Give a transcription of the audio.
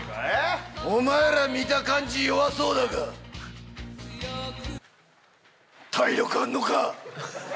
お前ら、見た感じ弱そうだが、体力あんのか。